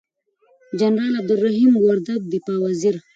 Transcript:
جنرال عبدالرحیم وردگ دفاع وزیر،